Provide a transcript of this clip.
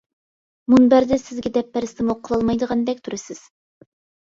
مۇنبەردە سىزگە دەپ بەرسىمۇ قىلالمايدىغاندەك تۇرىسىز.